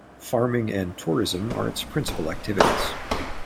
Farming and tourism are its principal activities.